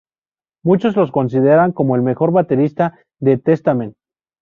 Muchos lo consideran como el mejor baterista de Testament